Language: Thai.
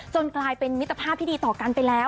กลายเป็นมิตรภาพที่ดีต่อกันไปแล้ว